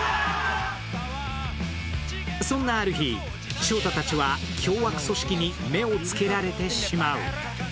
そんなある日、勝太たちは凶悪組織に目をつけられてしまう。